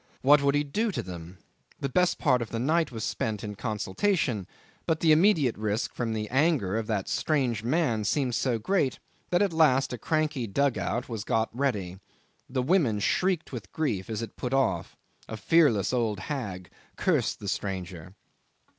What would he do to them? The best part of the night was spent in consultation; but the immediate risk from the anger of that strange man seemed so great that at last a cranky dug out was got ready. The women shrieked with grief as it put off. A fearless old hag cursed the stranger.